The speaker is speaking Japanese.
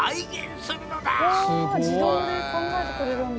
すごい。わあ自動で考えてくれるんだ。